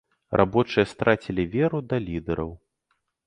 Рабочыя страцілі веру да лідэраў.